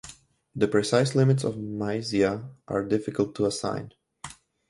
The precise limits of Mysia are difficult to assign.